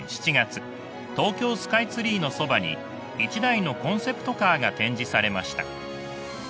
東京スカイツリーのそばに一台のコンセプトカーが展示されました。